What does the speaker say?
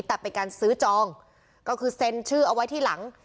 แต่เป็นการซื้อจองก็คือเซ็นชื่อเอาไว้ที่หลัง